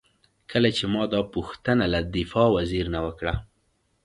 کله چې ما دا پوښتنه له دفاع وزیر نه وکړه.